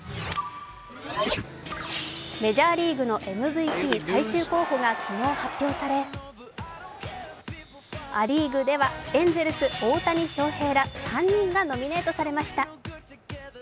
メジャーリーグのＭＶＰ最終候補が昨日、発表されア・リーグではエンゼルス・大谷翔平ら３人がノミネートされました。